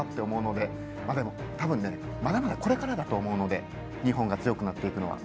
でも、多分、まだまだこれからだと思うので日本が強くなっていくのは。